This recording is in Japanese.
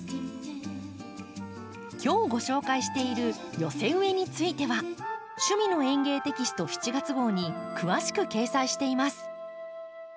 今日ご紹介している寄せ植えについては「趣味の園芸」テキスト７月号に詳しく掲載しています。